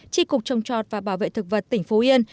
tri cục trồng trọt và bảo vệ thực vật tỉnh phú yên